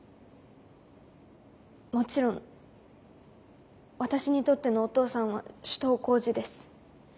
もちろん私にとってのお父さんは首藤幸次です。